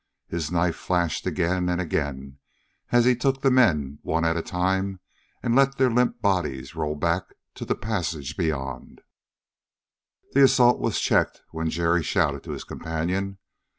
His knife flashed again and again as he took the men one at a time and let their limp bodies roll back to the passage beyond. The assault was checked when Jerry shouted to his companion.